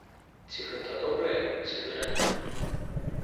Ці гэта добра яму, ці дрэнна?